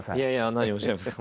何をおっしゃいますか。